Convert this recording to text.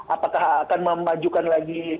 apakah akan memajukan lagi